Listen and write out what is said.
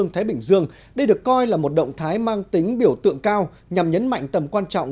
thái bình dương đây được coi là một động thái mang tính biểu tượng cao nhằm nhấn mạnh tầm quan trọng